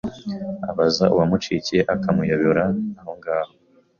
abaza uwamukicikye akamuyobora ahongaho